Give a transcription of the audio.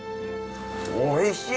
おいしい！